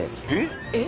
えっ？